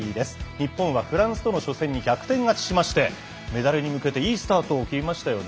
日本はフランスとの初戦に逆転勝ちしましてメダルに向けていいスタートを切りましたよね。